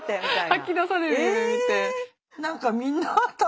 吐き出される夢見て。